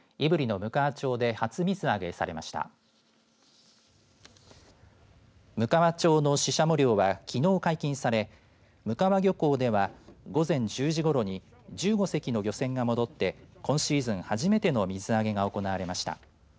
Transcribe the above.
むかわ町のシシャモ漁はきのう解禁され鵡川漁港では午前１０時ごろに１５隻の漁船が戻って今シーズン初めての水揚げが行われました。